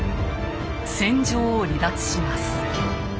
戦場を離脱します。